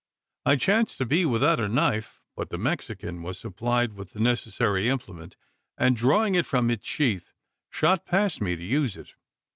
I chanced to be without a knife; but the Mexican was supplied with the necessary implement; and, drawing it from its sheath, shot past me to use it.